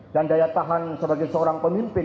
dan daya tahan sebagai seorang pemimpin